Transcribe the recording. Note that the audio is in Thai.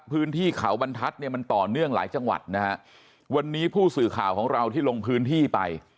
พื้นที่เขาบรรทัศน์เนี่ยมันต่อเนื่องหลายจังหวัดนะฮะวันนี้ผู้สื่อข่าวของเราที่ลงพื้นที่ไป